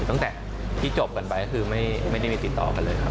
ตั้งแต่ที่จบกันไปก็คือไม่ได้มีติดต่อกันเลยครับ